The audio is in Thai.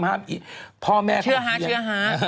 ป่าแม่เขาเคียจเชื่อฮา